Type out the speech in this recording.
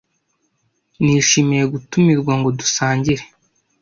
Nishimiye gutumirwa ngo dusangire.